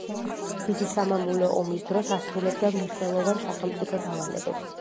დიდი სამამულო ომის დროს ასრულებდა მნიშვნელოვან სახელმწიფო დავალებებს.